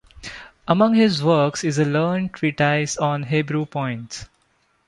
Among his works is a learned treatise on Hebrew points.